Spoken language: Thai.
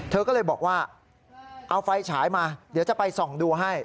เธอก็เลยบอกว่าเอาไฟฉายมาเดี๋ยวจะไปส่องดูให้